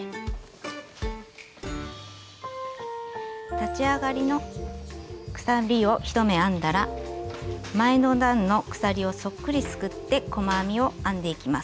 立ち上がりの鎖を１目編んだら前の段の鎖をそっくりすくって細編みを編んでいきます。